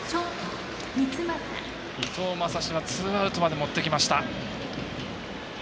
伊藤将司はツーアウトまで持ってきました。